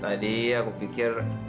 tadi aku pikir